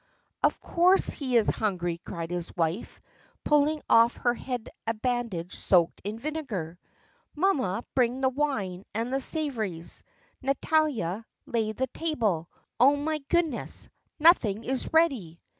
"Of course he is hungry," cried his wife, pulling off her head a bandage soaked in vinegar. "Mamma, bring the wine, and the savouries. Natalya, lay the table! Oh, my goodness, nothing is ready!"